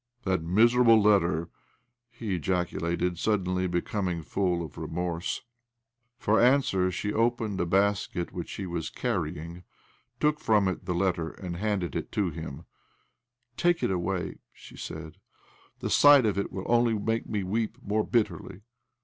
" That miserable letter I " he ejaculated, suddenly becoming full of remorse. For answer she opened a basket which she was carrying!, took ffom it the letter, and handed' it to him, " Take it away," she said. " The sight of it will only make me weep more bitterly."